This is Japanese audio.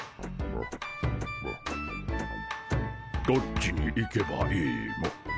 どっちに行けばいいモ。